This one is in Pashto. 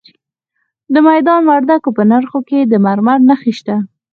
د میدان وردګو په نرخ کې د مرمرو نښې شته.